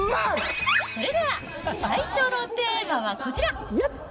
それでは、最初のテーマはこちら。